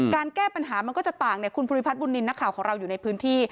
แก้ปัญหามันก็จะต่างคุณภูริพัฒนบุญนินทร์นักข่าวของเราอยู่ในพื้นที่